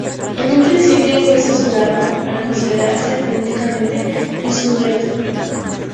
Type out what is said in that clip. En un principio fue censurado al considerarse políticamente insurrecto.